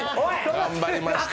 頑張りました。